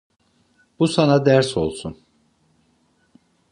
Bu sana ders olsun.